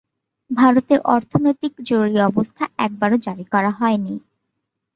ভারতে অর্থনৈতিক জরুরি অবস্থা একবারও জারি করা হয়নি।